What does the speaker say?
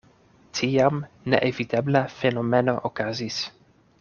Tiam neevitebla fenomeno okazis.